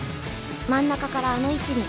真ん中からあの位置に。